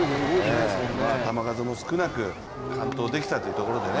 球数も少なく完投できたってところでね。